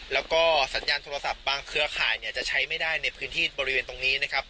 แล้วก็สัญญาณโทรศัพท์บางเครือข่ายเนี่ยจะใช้ไม่ได้ในพื้นที่บริเวณตรงนี้นะครับ